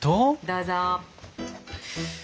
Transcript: どうぞ。